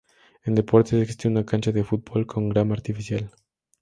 En Deportes existe una cancha de fútbol con grama artificial.